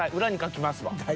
「裏に書きますわ」。